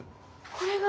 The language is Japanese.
これが。